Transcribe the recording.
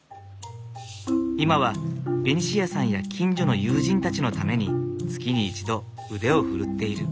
今はベニシアさんや近所の友人たちのために月に１度腕を振るっている。